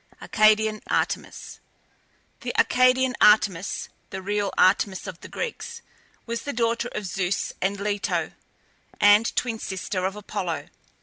ARCADIAN ARTEMIS. The Arcadian Artemis (the real Artemis of the Greeks) was the daughter of Zeus and Leto, and twin sister of Apollo.